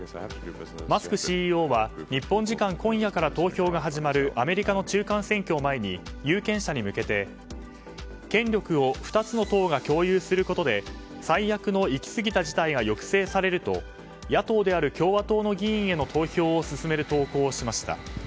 マスクＣＥＯは日本時間今夜から投票が始まるアメリカの中間選挙を前に有権者に向けて権力を２つの党が共有することで最悪の行き過ぎた事態が抑制されると野党である共和党の議員への投票を勧める投稿をしました。